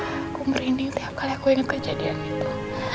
aku merinding tiap kali aku ingat kejadian itu